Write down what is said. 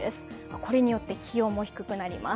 これによって気温も低くなります。